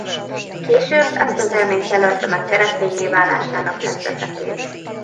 Később ezt az élményt jelölte meg kereszténnyé válásának kezdeteként.